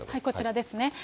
こちらですね。